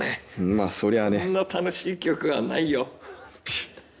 まぁそりゃねこんな楽しい戯曲はないよある意味